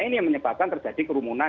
ini menyebabkan terjadi kerumunan